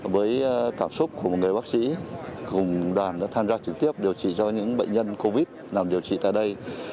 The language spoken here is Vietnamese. với cảm xúc của một người bác sĩ cùng đoàn đã tham gia trực tiếp điều trị cho những bệnh nhân covid nằm điều trị tại đây